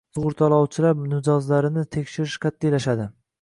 Sug‘urtalovchilar mijozlarini tekshirish qat'iylashadi